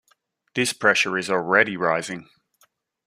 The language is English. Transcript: This pressure is already rising.